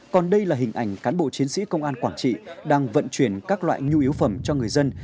còn đây là hình ảnh cán bộ chiến sĩ công an quảng trị đang vận chuyển các loại nhu yếu phẩm cho người dân